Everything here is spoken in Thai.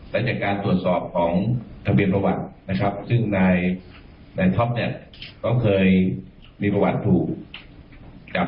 และจากการสดสอบของทะเบียนประวัติซึ่งนายท็อปเคยมีประวัติถูกจับ